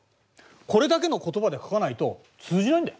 これだけの言葉で書かないと通じないんだよ。